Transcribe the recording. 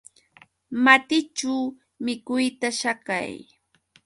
Matićhu mikuyta chakay.